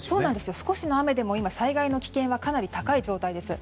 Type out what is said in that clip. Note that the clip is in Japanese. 少しの雨でも災害の危険はかなり高い状態です。